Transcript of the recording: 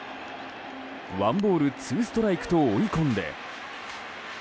ワンボールツーストライクと追い込んで。